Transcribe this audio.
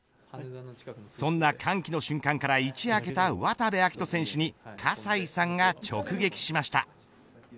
そんな歓喜の瞬間から一夜明けた渡部暁斗選手に葛西さんが直撃しました。